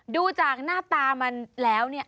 ดูจากหน้าตามันแล้วเนี่ย